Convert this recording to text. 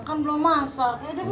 kan belum masak